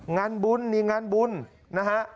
งานบุญนี่งานบุญนะฮะ